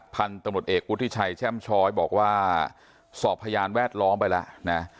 พันธุ์ตำรวจเอกวุฒิชัยแช่มช้อยบอกว่าสอบพยานแวดล้อมไปแล้วนะ